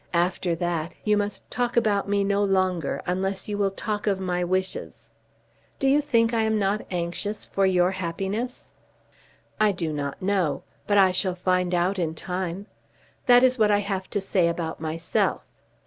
After that you must talk about me no longer, unless you will talk of my wishes." "Do you think I am not anxious for your happiness?" "I do not know; but I shall find out in time. That is what I have to say about myself.